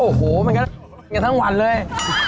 โอ้โฮมันกระทั่งวันเลย